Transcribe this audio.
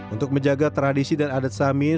untuk menjaga tradisi dan adat samin